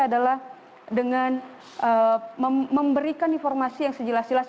adalah dengan memberikan informasi yang sejelas jelas